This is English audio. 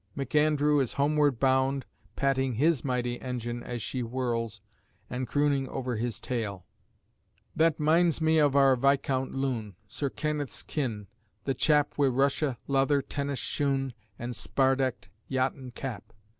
McAndrew is homeward bound patting his mighty engine as she whirls, and crooning over his tale: That minds me of our Viscount loon Sir Kenneth's kin the chap Wi' Russia leather tennis shoon an' spar decked yachtin' cap.